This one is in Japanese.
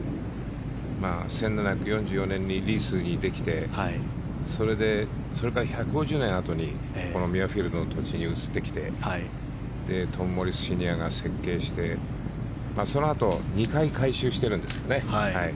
１７４４年にリースにできてそれでそれから１５０年あとにこのミュアフィールドの土地に移ってきてトム・モリス・シニアが設計してそのあと２回改修してるんですけどね。